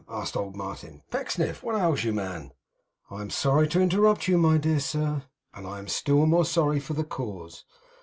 asked old Martin. 'Pecksniff, what ails you, man?' 'I am sorry to interrupt you, my dear sir, and I am still more sorry for the cause.